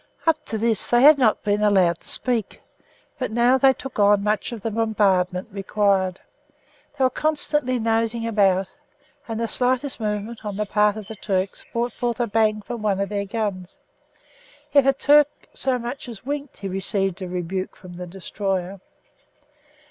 Up to this they had not been allowed to speak, but now they took on much of the bombardment required. They were constantly nosing about, and the slightest movement on the part of the Turks brought forth a bang from one of their guns. If a Turk so much as winked he received a rebuke from the destroyer.